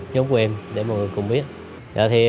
nhóm của em để mọi người cùng biết